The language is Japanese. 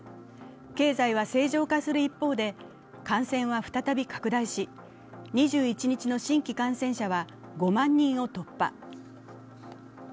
経済は正常化する一方で感染は再び拡大し、２１日の新規感染者は５万人を突破。